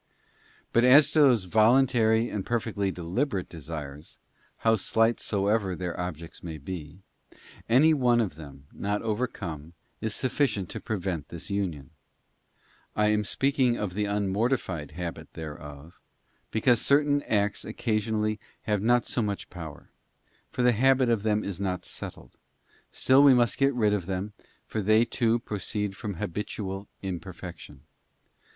* But as to those voluntary and perfectly deliberate desires, how slight soever their objects may be, any one of them, not One act docs OVETCOME, is sufficient to prevent this union. I am speaking hit of the unmortified habit thereof, because certain acts occa sionally have not so much power, for the habit of them is not settled; still we must get rid of them, for they, too, proceed from habitual imperfection.